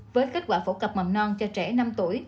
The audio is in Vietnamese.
với kết quả phổ cập mầm non cho trẻ năm tuổi